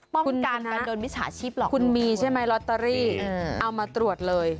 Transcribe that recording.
ป้องกันการโดนมิจฉาชีพหลอกคุณมีใช่ไหมลอตเตอรี่เอามาตรวจเลย